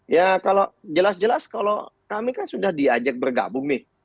ya kalau jelas jelas kalau kami kan sudah diajak bergabung nih